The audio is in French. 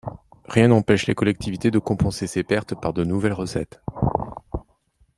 Rien n’empêche les collectivités de compenser ces pertes par de nouvelles recettes.